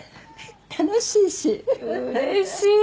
楽しいしうれしい！